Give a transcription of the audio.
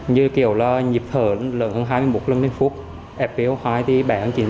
như kiểu là nhịp thở lớn hơn hai mươi một lần đến phút f hai thì bẻ hơn chín mươi sáu